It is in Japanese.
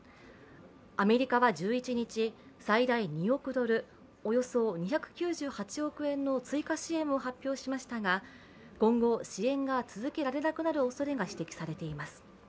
アメリカは１１日、最大２億ドル、およそ２９８億円の追加支援を発表しましたが今後、支援が続けられなくなるおそれが指摘されています。